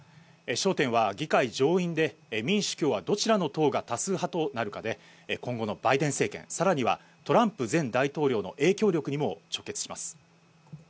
焦点は議会上院で民主・共和、どちらの党が多数派となるかで、今後のバイデン政権、さらにはトランプ前大統領の影響力にも直結します。